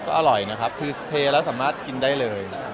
ก็อร่อยนะครับคือเทแล้วสามารถกินได้เลย